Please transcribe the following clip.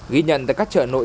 ghi nhận tại các chợ nội